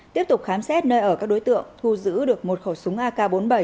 tiếp tục khám xét nơi ở các đối tượng thu giữ được một khẩu súng ak bốn mươi bảy